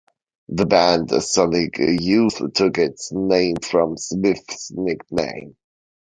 The band Sonic Youth took its name from Smith's nickname.